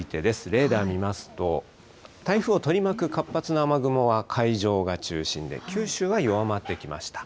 レーダー見ますと、台風を取り巻く活発な雨雲は海上が中心で、九州は弱まってきました。